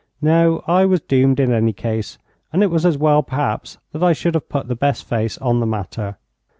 No, I was doomed in any case, and it was as well perhaps that I should have put the best face on the matter.